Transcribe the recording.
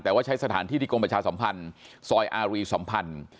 แต่ว่าใช้สถานที่ที่กรมประชาสัมพันธ์ซอยอารีสัมพันธ์